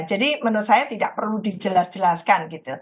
jadi menurut saya tidak perlu dijelas jelaskan gitu